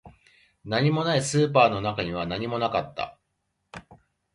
何もない、スーパーの中には何もなかった